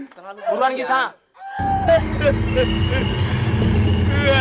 buruan ke sana